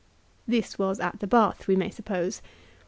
This was at the bath we may suppose.